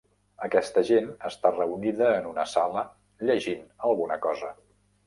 Aquesta gent està reunida en una sala llegint alguna cosa.